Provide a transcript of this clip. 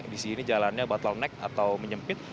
disini jalannya bottleneck atau menyempit